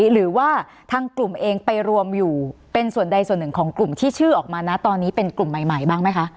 หรือว่าทางกลุ่มเองไปรวมอยู่เป็นส่วนใดส่วนหนึ่งของกลุ่มที่ชื่อออกมานะตอนนี้เป็นกลุ่มใหม่บ้างไหมคะ